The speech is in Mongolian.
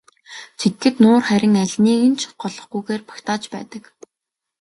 Тэгэхэд нуур харин алиныг нь ч голохгүйгээр багтааж байдаг.